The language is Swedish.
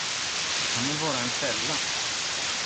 Det kan väl vara en fälla?